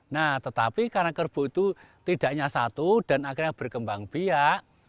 nah tetapi karena kerbau itu tidaknya satu dan akhirnya berkembang biak